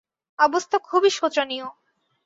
অবস্থা খুবই শোচনীয়।